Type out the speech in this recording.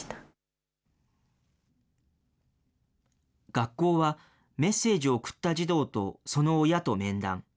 学校は、メッセージを送った児童とその親と面談。